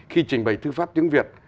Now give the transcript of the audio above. khi trình bày thư pháp tiếng việt